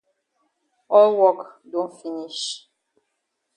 All wok don finish.